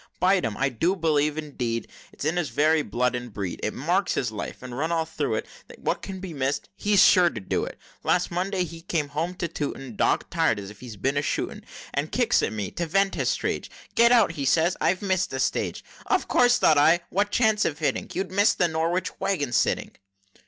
Bite him! I do believe, indeed, It's in his very blood and breed! It marks his life, and, run all through it; What can be miss'd, he's sure to do it. Last Monday he came home to Tooting, Dog tir'd, as if he'd been a shooting, And kicks at me to vent his rage 'Get out!' says he 'I've miss'd the stage!' Of course, thought I what chance of hitting? You'd miss the Norwich wagon, sitting!"